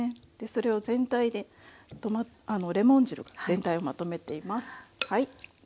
それをレモン汁が全体をまとめています。